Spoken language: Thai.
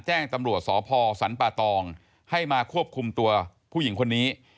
แจ้งตำรวจสพสรรป่าตองให้มาควบคุมตัวผู้หญิงคนนี้